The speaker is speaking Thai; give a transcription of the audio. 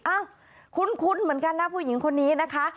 คุ้นเหมือนกันนะผู้หญิงคนนี้นะคะ